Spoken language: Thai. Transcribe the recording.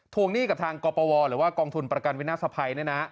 หนี้กับทางกรปวหรือว่ากองทุนประกันวินาศภัย